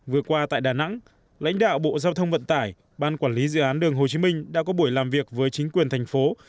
vừa qua tại đà nẵng lãnh đạo bộ giao thông vận tải ban quản lý dự án đường hồ chí minh đã có buổi làm việc với chính quyền thành phố